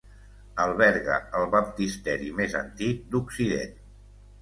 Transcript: Alberga el baptisteri més antic d'Occident.